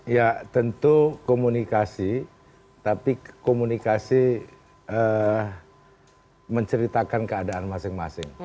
ya tentu komunikasi tapi komunikasi menceritakan keadaan masing masing